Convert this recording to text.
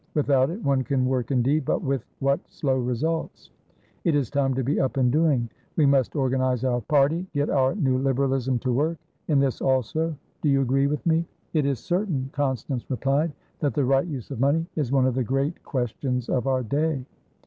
Without it, one can work indeed, but with what slow results? It is time to be up and doing. We must organise our party, get our new Liberalism to work.In this also, do you agree with me?" "It is certain," Constance replied, "that the right use of money is one of the great questions of our day."